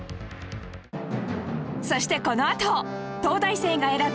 そしてこのあと東大生が選ぶ！